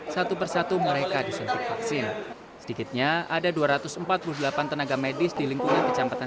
satu persatu mereka disuntik vaksin sedikitnya ada dua ratus empat puluh delapan tenaga medis di lingkungan kecamatan